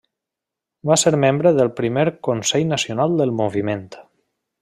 Va ser membre del primer Consell Nacional del Moviment.